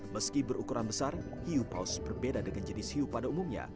meski berukuran besar hiu paus berbeda dengan jenis hiu pada umumnya